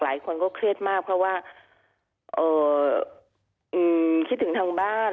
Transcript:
หลายคนก็เครียดมากเพราะว่าคิดถึงทางบ้าน